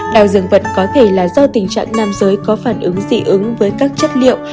đào rừng vật có thể là do tình trạng nam giới có phản ứng dị ứng với các chất liệu